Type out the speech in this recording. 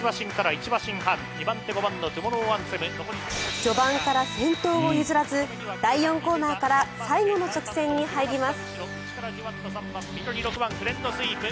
序盤から先頭を譲らず第４コーナーから最後の直線に入ります。